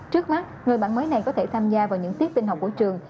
trước mắt người bản mới này có thể tham gia vào những tiết tinh học của trường